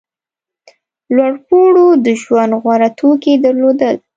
لوړپوړو د ژوند غوره توکي درلودل.